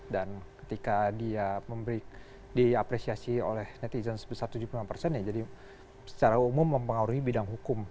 dan ketika dia diapresiasi oleh netizen sebesar tujuh puluh lima persen ya jadi secara umum mempengaruhi bidang hukum